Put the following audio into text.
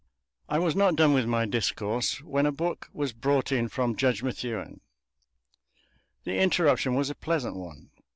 I was not done with my discourse when a book was brought in from Judge Methuen; the interruption was a pleasant one.